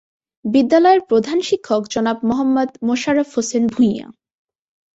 বিদ্যালয়ের প্রধান শিক্ষক জনাব মোহাম্মদ মোশাররফ হোসেন ভূঁইয়া।